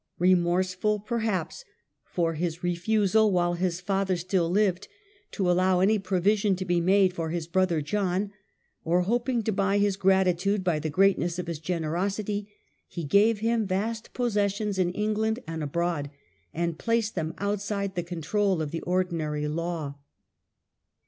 Remorseful perhaps for his WILLIAM LONGCHAMP. 4I refusal, while his father still lived, to allow any provision to be made for his brother John, or hoping to buy his gratitude by the greatness of his generosity, he gave him vast possessions in England and abroad, and placed them outside the control of the ordinary law.